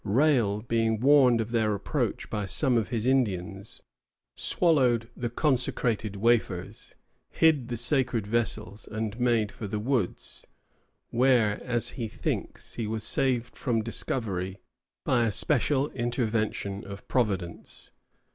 Rale, being warned of their approach by some of his Indians, swallowed the consecrated wafers, hid the sacred vessels, and made for the woods, where, as he thinks, he was saved from discovery by a special intervention of Providence.